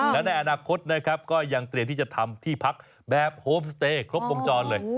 และในอนาคตนะครับก็ยังเตรียมที่จะทำที่พักแบบโฮมสเตย์ครบวงจรเลย